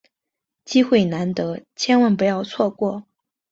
机会难得，千万不要错过！